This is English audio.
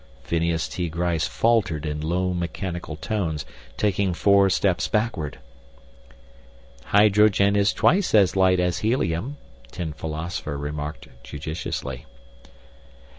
Phineas T. Gryce faltered in low mechanical tones, taking four steps backward. "Hydrogen is twice as light as helium," Tin Philosopher remarked judiciously.